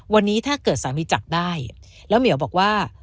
วันนี้ถ้าเกิดสามีจับได้แล้วเหมียวบอกว่า